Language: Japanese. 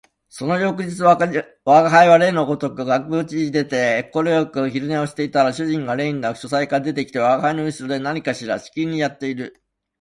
その翌日吾輩は例のごとく縁側に出て心持ち善く昼寝をしていたら、主人が例になく書斎から出て来て吾輩の後ろで何かしきりにやっている